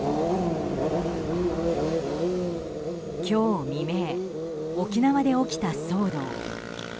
今日未明、沖縄で起きた騒動。